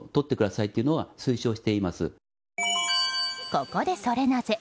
ここでソレなぜ？